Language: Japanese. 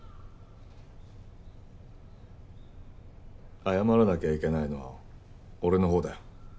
謝らなきゃいけないのは俺のほうだよ。